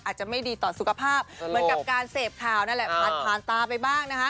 อาจจะไม่ดีต่อสุขภาพเหมือนกับการเสพข่าวนั่นแหละผ่านผ่านตาไปบ้างนะคะ